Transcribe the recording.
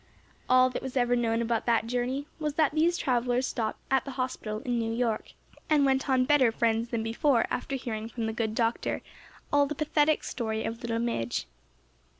All that was ever known about that journey was that these travellers stopped at the hospital in New York, and went on better friends than before after hearing from the good Doctor all the pathetic story of little Midge.